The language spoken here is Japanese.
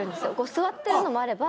座ってるのもあれば。